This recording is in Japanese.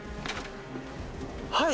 はい。